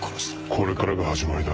これからが始まりだ。